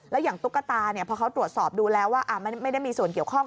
แล้วอย่างตุ๊กตาพอเขาตรวจสอบดูแล้วว่าไม่ได้มีส่วนเกี่ยวข้อง